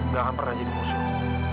gak akan pernah jadi musuh